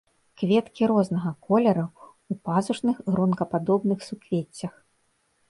Кветкі рознага колеру, у пазушных гронкападобных суквеццях.